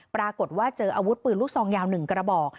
ปรากฏว่าเจออาวุธปืนลูกซองยาว๑กระบอก